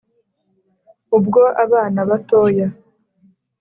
ubwo abana batoya